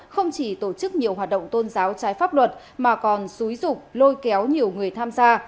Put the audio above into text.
không chỉ tổ chức nhiều hoạt động tôn giáo trái pháp luật mà còn xúi rục lôi kéo nhiều người tham gia